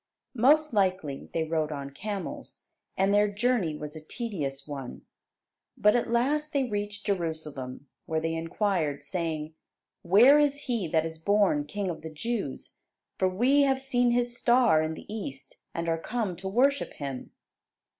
Most likely they rode on camels, and their journey was a tedious one. But at last they reached Jerusalem, where they inquired saying, "Where is He that is born King of the Jews? for we have seen His star in the East and are come to worship Him."